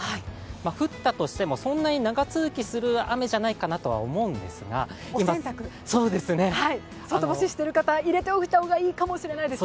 降ったとしても、そんなに長続きする雨じゃないかと思いますがお洗濯、外干ししている方入れておいた方がいいかもしれませんね。